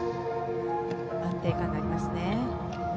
安定感がありますね。